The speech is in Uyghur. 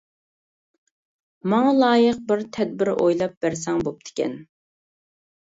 ماڭا لايىق بىر تەدبىر ئويلاپ بەرسەڭ بوپتىكەن!